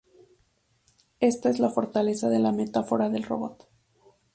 Esta la es la fortaleza de la metáfora del robot.